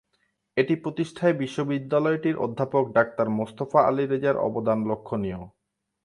এটি প্রতিষ্ঠায় বিশ্ববিদ্যালয়টির অধ্যাপক ডাক্তার মোস্তফা আলী রেজার অবদান লক্ষণীয়।